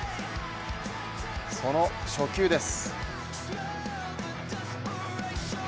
その初球です。